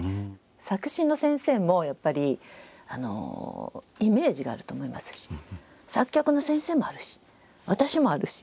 作詞の先生もやっぱりイメージがあると思いますし作曲の先生もあるし私もあるし。